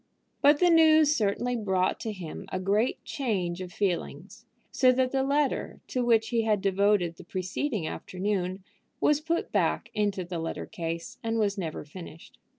But the news certainly brought to him a great change of feelings, so that the letter to which he had devoted the preceding afternoon was put back into the letter case, and was never finished.